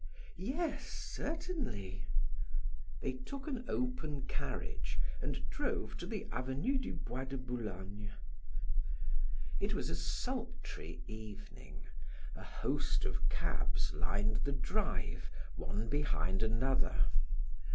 "Yes, certainly." They took an open carriage and drove to the Avenue du Bois de Boulogne. It was a sultry evening; a host of cabs lined the drive, one behind another.